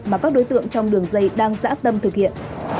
mà các đối tượng trong đường dây đang dã tâm thực hiện